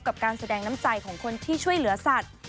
กับการแสดงน้ำใจของคนที่ช่วยเหลือสัตว์